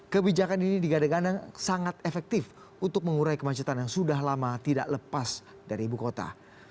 kebijakan ini digadang gadang sangat efektif untuk mengurai kemacetan yang sudah lama tidak lepas dari ibu kota